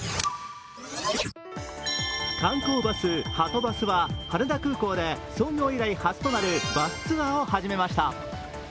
観光バス・はとバスは羽田空港で創業以来初となるバスツアーを始めました。